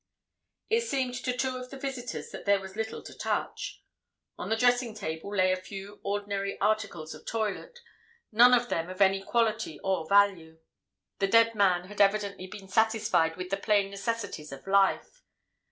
It seemed to two of the visitors that there was little to touch. On the dressing table lay a few ordinary articles of toilet—none of them of any quality or value: the dead man had evidently been satisfied with the plain necessities of life.